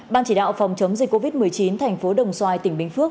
ban chỉ đạo phòng chống dịch covid một mươi chín tp đồng xoài tỉnh bình phước